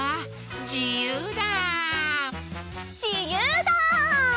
じゆうだ！